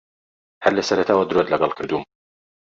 ھەر لە سەرەتاوە درۆت لەگەڵ کردووم.